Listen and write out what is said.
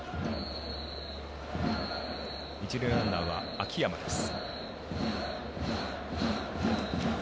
一塁ランナーは秋山です。